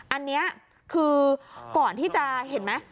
อันนี้คือก่อนที่จะเห็นไหม